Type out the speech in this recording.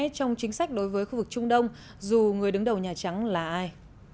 trong chính sách đối với khu vực trung đông dù người đứng đầu nhà trắng là ai